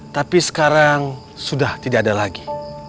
tapi sekarang sudah tidak ada lagi